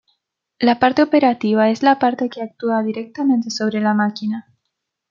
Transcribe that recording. La parte operativa es la parte que actúa directamente sobre la máquina.